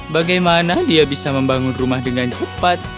bagaimana dia bisa membangun rumah dengan cepat